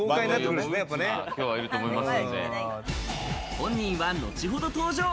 本人は後ほど登場。